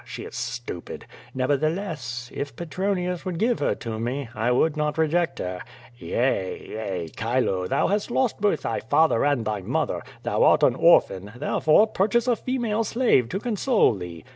She is stupid. Nevertheless, if Petronius would give her to me, I would not reject her. Yea! yea! Chilo, thou hast lost both thy father and thy mother. Thou art an orphan; therefore, purchase a female slave to console thee.